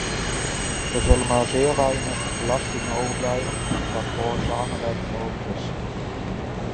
Er zullen maar zeer weinig belastingen overblijven waarvoor samenwerking mogelijk is.